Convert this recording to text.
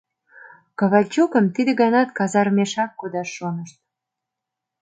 Ковальчукым тиде ганат казармешак кодаш шонышт.